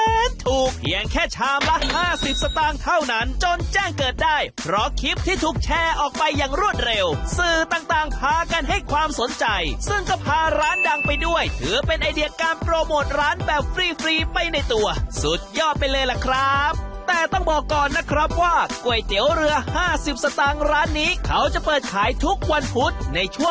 ถูกเพียงแค่ชามละห้าสิบสตางค์เท่านั้นจนแจ้งเกิดได้เพราะคลิปที่ถูกแชร์ออกไปอย่างรวดเร็วสื่อต่างพากันให้ความสนใจซึ่งก็พาร้านดังไปด้วยถือเป็นไอเดียการโปรโมทร้านแบบฟรีฟรีไปในตัวสุดยอดไปเลยล่ะครับแต่ต้องบอกก่อนนะครับว่าก๋วยเตี๋ยวเรือห้าสิบสตางค์ร้านนี้เขาจะเปิดขายทุกวันพุธในช่วง